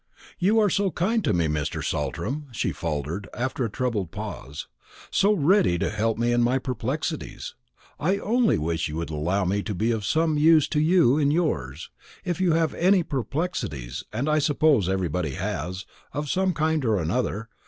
"You are so kind to me, Mr. Saltram," she faltered, after a troubled pause; "so ready to help me in my perplexities, I only wish you would allow me to be of some use to you in yours, if you have any perplexities; and I suppose everybody has, of some kind or other.